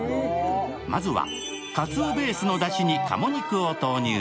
まずはかつおベースのだしにかも肉を投入。